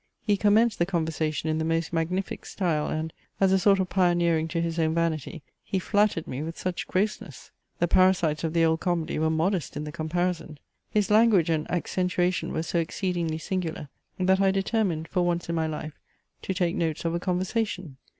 He commenced the conversation in the most magnific style, and, as a sort of pioneering to his own vanity, he flattered me with such grossness! The parasites of the old comedy were modest in the comparison. His language and accentuation were so exceedingly singular, that I determined for once in my life to take notes of a conversation.